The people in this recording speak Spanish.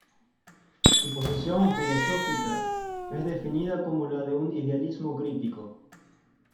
Su posición filosófica es definida como la de un "idealismo crítico".